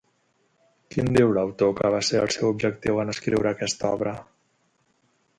Quin diu l'autor que va ser el seu objectiu en escriure aquesta obra?